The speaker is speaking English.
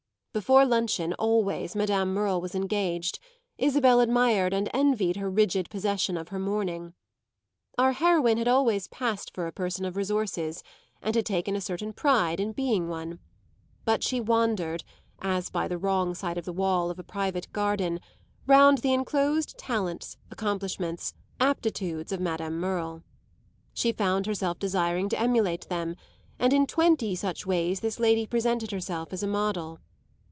Before luncheon, always, Madame Merle was engaged; Isabel admired and envied her rigid possession of her morning. Our heroine had always passed for a person of resources and had taken a certain pride in being one; but she wandered, as by the wrong side of the wall of a private garden, round the enclosed talents, accomplishments, aptitudes of Madame Merle. She found herself desiring to emulate them, and in twenty such ways this lady presented herself as a model.